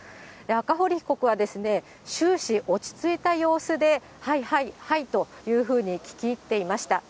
赤堀被告は終始、落ち着いた様子で、はい、はい、はいというふうに聞き入っていました。